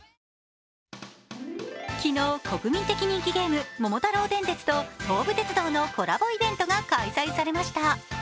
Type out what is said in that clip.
昨日、国民的人気ゲーム「桃太郎電鉄」と東武鉄道のコラボイベントが開催されました。